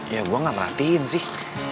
ya gue gak merhatiin sih